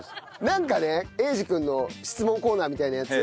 なんかね英二君の質問コーナーみたいなやつ